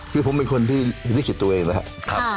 คือผมเป็นคนที่ลิขตัวเองนะครับ